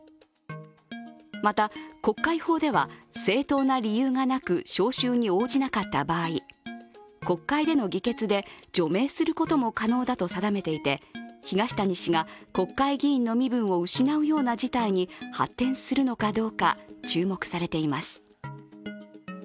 また、国会法では、正当な理由がなく召集に応じなかった場合、国会での議決で除名することも可能だと定めていて東谷氏が、国会議員の身分を失うような事態に発展するのかどうか注目されています。